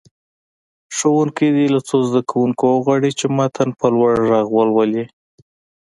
ښوونکی دې له څو زده کوونکو وغواړي چې متن په لوړ غږ ولولي.